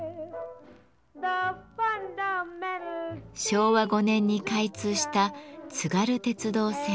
昭和５年に開通した津軽鉄道線。